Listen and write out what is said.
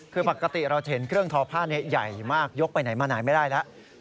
คือปกติเราจะเห็นเครื่องทอผ้านี้ใหญ่มากยกไปไหนมาไหนไม่ได้แล้ว